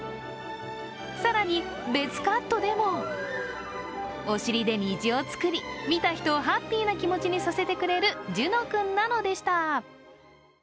更に別カットでもお尻で虹を作り見た人をハッピーな気持ちにさせてくれるジュノ君なのでした。